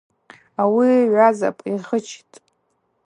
Ауи гӏвазапӏ, йгъычитӏ.